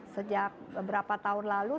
sejak beberapa tahun lalu